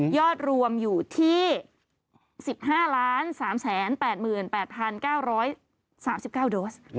อดรวมอยู่ที่๑๕๓๘๘๙๓๙โดส